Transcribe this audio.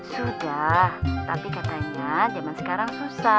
sudah tapi katanya zaman sekarang susah